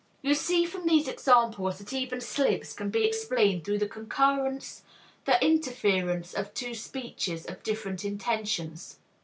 You see from these examples that even slips can be explained through the concurrence, the interference, of two speeches of different intentions.